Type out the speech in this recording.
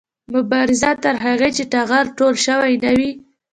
مبارزه تر هغې چې ټغر ټول شوی نه وي